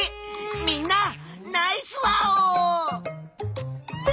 みんなナイスワオ！